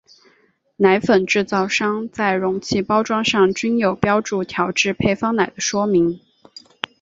奶粉制造商在容器包装上均有标注调制配方奶的说明。